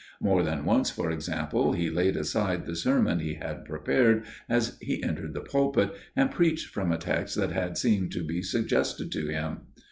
More than once, for example, he laid aside the sermon he had prepared, as he entered the pulpit, and preached from a text that had seemed to be suggested to him.